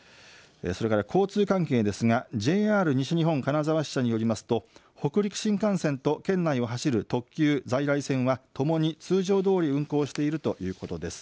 それから交通関係ですがＪＲ西日本金沢支社によりますと北陸新幹線と県内を走る特急、在来線はともに通常どおり運行しているということです。